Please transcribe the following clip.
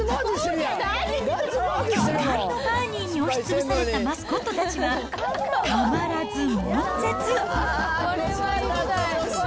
巨漢のバーニーに押しつぶされたマスコットたちは、たまらずもん絶。